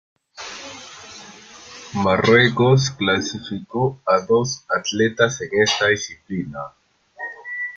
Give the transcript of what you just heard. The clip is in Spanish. Marruecos clasificó a dos atletas en esta disciplina.